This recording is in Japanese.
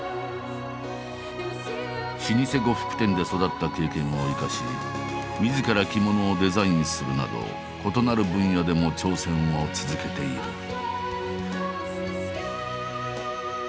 老舗呉服店で育った経験を生かしみずから着物をデザインするなど異なる分野でも挑戦を続けている。